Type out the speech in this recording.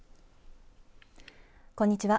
こんにちは。